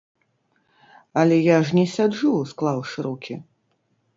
Але я ж не сяджу, склаўшы рукі.